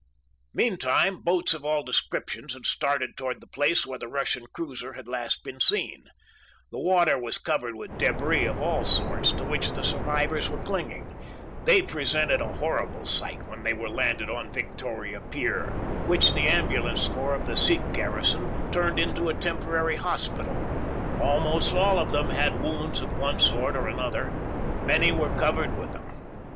Meantime, boats of all descriptions had started toward the place where the Russian cruiser had last been seen. The water was covered with débris of all sorts, to which the survivors were clinging. They presented a horrible sight when they were landed on Victoria Pier, which the ambulance corps of the Sikh garrison turned into a temporary hospital. Almost all of them had wounds of one sort or another. Many were covered with them.